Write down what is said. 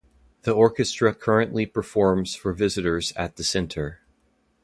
The orchestra currently performs for visitors at the center.